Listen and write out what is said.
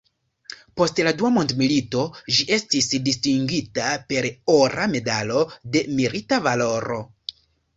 Post la Dua mondmilito ĝi estis distingita per ora medalo de "milita valoro".